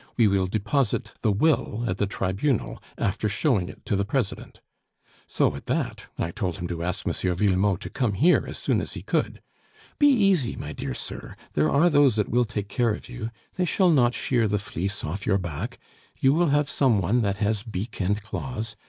We will deposit the will at the Tribunal, after showing it to the President.' So at that, I told him to ask M. Villemot to come here as soon as he could. Be easy, my dear sir, there are those that will take care of you. They shall not shear the fleece off your back. You will have some one that has beak and claws.